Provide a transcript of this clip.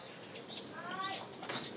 はい。